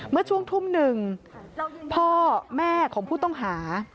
เมื่อช่วงทุ่มหนึ่งพ่อแม่ของผู้ต้องหา